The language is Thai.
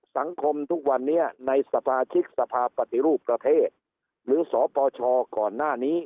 สังคมทุกวันนี้ในสมาชิกสภาพปฏิรูปประเทศหรือสปชก่อนหน้านี้